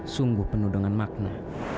sungguh penuh dengan makna